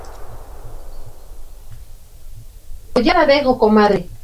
El cantón estaba formado por una fracción de la comuna de Lyon.